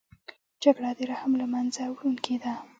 جګړه د رحم له منځه وړونکې ده